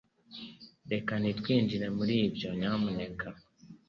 Reka ntitwinjire muri ibyo nyamuneka